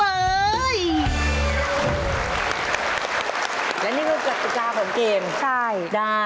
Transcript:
และนี่คือกติกาของเกมใช่